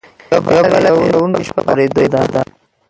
يوه بله وېرونکې شپه په خپرېدو ده